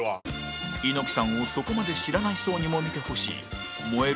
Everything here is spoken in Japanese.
猪木さんをそこまで知らない層にも見てほしい燃える